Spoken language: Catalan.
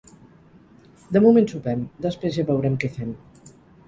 De moment sopem, després ja veurem què fem.